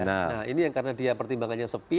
nah ini yang karena dia pertimbangannya sepi